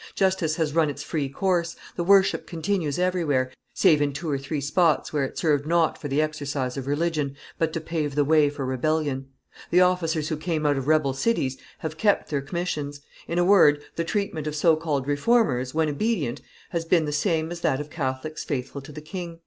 Justice has run its free course, the worship continues everywhere, save in two or three spots where it served not for the exercise of religion, but to pave the way for rebellion. The officers who came out of rebel cities have kept their commissions; in a word, the treatment of so styled Reformers, when obedient, has been the same as that of Catholics faithful to the king